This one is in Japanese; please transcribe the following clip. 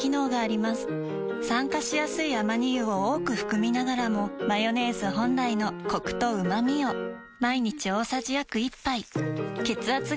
酸化しやすいアマニ油を多く含みながらもマヨネーズ本来のコクとうまみを毎日大さじ約１杯血圧が高めの方に機能性表示食品